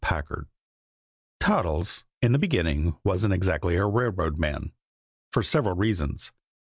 Packard_ TODDLES, in the beginning, wasn't exactly a railroad man for several reasons.